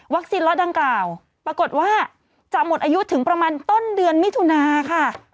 ล็อตดังกล่าวปรากฏว่าจะหมดอายุถึงประมาณต้นเดือนมิถุนาค่ะ